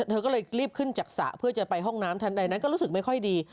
เธอก็เลยรีบขึ้นจากสระเพื่อจะไปห้องน้ำทันใดนั้นก็รู้สึกไม่ค่อยดี